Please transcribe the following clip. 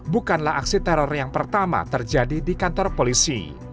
bukanlah aksi teror yang pertama terjadi di kantor polisi